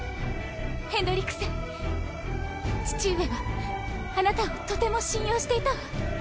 ヘンドリクセン父上はあなたをとても信用していたわ。